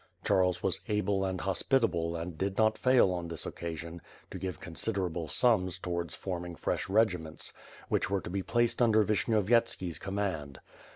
Charles was able and hospitable and did not fail on this occasion, to give considerable sums towards forming fresh regiments, which were to be placed under Vishnyovyetski's command.